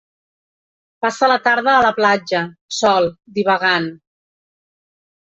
Passa la tarda a la platja, sol, divagant.